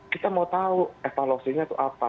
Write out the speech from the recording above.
kita mau tahu evaluasinya itu apa